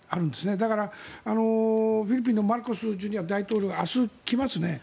だから、フィリピンのマルコス大統領が明日、来ますね。